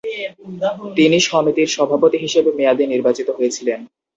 তিনি সমিতির সভাপতি হিসেবে মেয়াদে নির্বাচিত হয়েছিলেন।